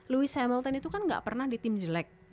lewis hamilton itu kan enggak pernah di tim jelek